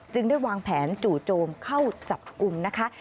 ได้วางแผนจู่โจมเข้าจับกลุ่มนะคะ